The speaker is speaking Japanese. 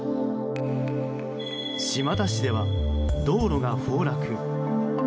島田市では道路が崩落。